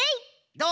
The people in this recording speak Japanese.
どう？